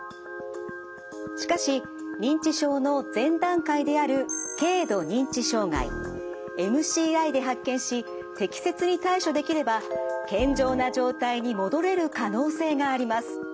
しかし認知症の前段階である軽度認知障害ＭＣＩで発見し適切に対処できれば健常な状態に戻れる可能性があります。